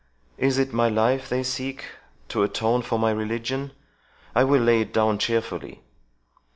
Is it my life they seek, to atone for my religion? I will lay it down cheerfully."